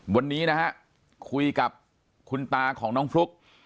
ปากกับภาคภูมิ